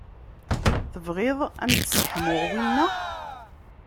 Tebɣiḍ ad m-d-sseḥmuɣ winna?